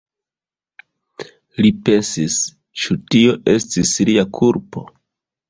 Li pensis: „Ĉu tio estis lia kulpo?“